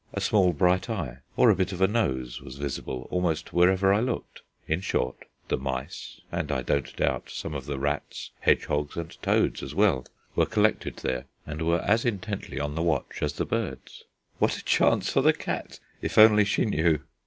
A small bright eye or a bit of a nose was visible almost wherever I looked; in short, the mice, and, I don't doubt, some of the rats, hedgehogs, and toads as well, were collected there and were as intently on the watch as the birds. "What a chance for the cat, if only she knew!"